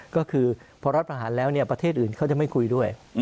ก็คือพอรัฐประหารแล้วประเทศอื่นเขาจะไม่คุยด้วย